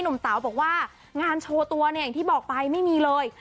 เต๋าบอกว่างานโชว์ตัวเนี่ยอย่างที่บอกไปไม่มีเลย